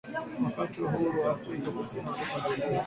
Wakati wa huuru wa wa afrika ya kusini watoto waliuwiwa sana